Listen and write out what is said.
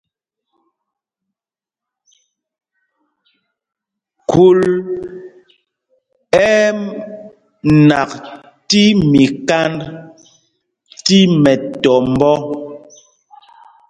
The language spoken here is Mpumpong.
Khūl ɛ́ ɛ́ nak tí mikánd tí mɛtɔmbɔ́.